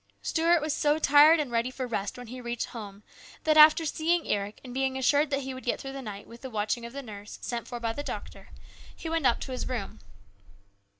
Stuart was so tired and ready for rest when he reached home that, after seeing Eric and being assured that he would get through the night with the watching of the nurse, sent for by the doctor, he went up to his room.